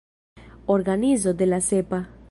Organizo de la Sepa.